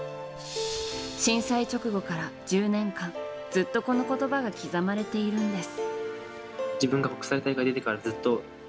震災直後から１０年間ずっとこの言葉が刻まれているんです。